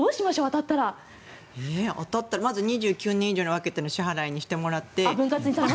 当たったらまず２９年以上に分けての支払いにしてもらって。